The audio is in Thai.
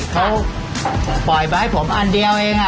เขาปล่อยมาให้ผมอันเดียวเอง